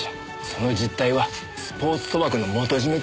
その実態はスポーツ賭博の元締めってやつでな。